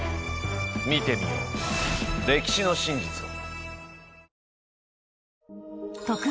見てみよう歴史の真実を。